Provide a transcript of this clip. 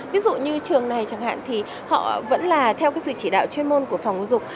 ví dụ như trường này chẳng hạn thì họ vẫn là theo cái sự chỉ đạo chuyên môn của phòng ngũ dục